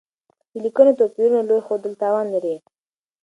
د ليکنيو توپيرونو لوی ښودل تاوان لري.